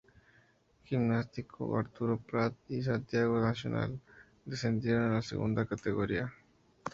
Gimnástico Arturo Prat y Santiago National descendieron a la segunda categoría.